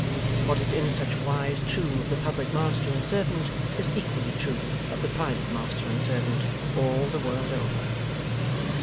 What is in such wise true of the public master and servant, is equally true of the private master and servant all the world over.